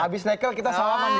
habis nekel kita sawahkan